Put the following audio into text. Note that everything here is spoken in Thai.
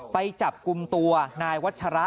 ไปจับกลุ่มตัวนายวัชระ